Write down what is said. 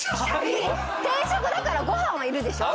定食だからご飯はいるでしょ？